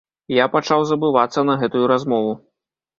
Я пачаў забывацца на гэтую размову.